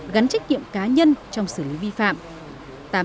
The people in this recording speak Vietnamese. gắn trách nhiệm cá nhân trong xử lý vi phạm